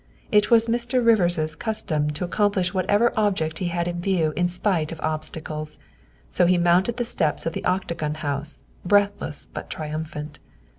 It was Mr. Rivers 's custom to accomplish whatever object he had in view in spite of obstacles, so he mounted the steps of the Octagon House, breathless but triumphant.